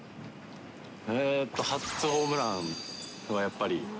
えーっと、初ホームランはやっぱり。